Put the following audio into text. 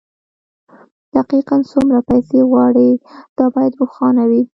دقيقاً څومره پيسې غواړئ دا بايد روښانه وي.